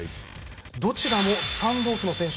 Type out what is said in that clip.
どちらもスタンドオフの選手